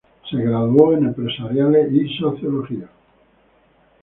Se graduó en empresariales y sociología.